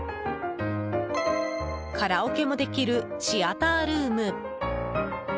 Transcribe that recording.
カラオケもできるシアタールーム。